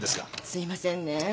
すいませんね。